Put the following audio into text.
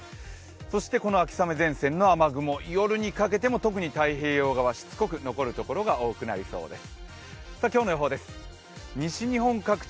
そしてこの秋雨前線の雨雲夜にかけても特に太平洋側しつこく残るところが多くなりそうです。